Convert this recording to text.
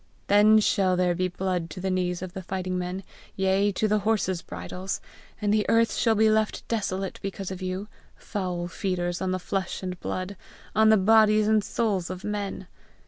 Then shall there be blood to the knees of the fighting men, yea, to the horses' bridles; and the earth shall be left desolate because of you, foul feeders on the flesh and blood, on the bodies and souls of men!